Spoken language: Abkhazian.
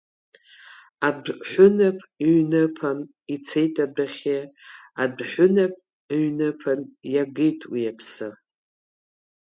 Адәҳәынаԥ ҩныԥан ицеит адәахьы, Адәҳәынаԥ ыҩныԥан иагеит уи аԥсы.